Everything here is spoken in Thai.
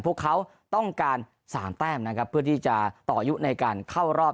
พวกเขาต้องการ๓แต้มนะครับเพื่อที่จะต่ออายุในการเข้ารอบ